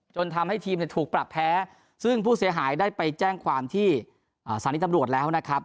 ทำให้ทีมถูกปรับแพ้ซึ่งผู้เสียหายได้ไปแจ้งความที่สถานีตำรวจแล้วนะครับ